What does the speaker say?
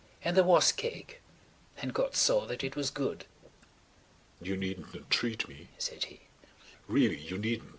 And there was cake. And God saw that it was good.'" "You needn't entreat me," said he. "Really you needn't.